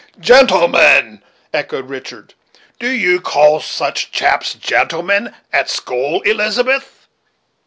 "Gentleman!" echoed Richard; "do you call such chaps gentlemen, at school, Elizabeth?"